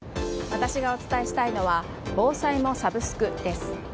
私がお伝えしたいのは防災もサブスクです。